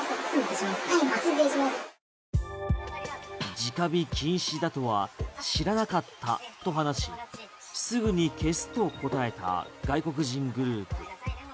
直火禁止だとは知らなかったと話しすぐに消すと答えた外国人グループ。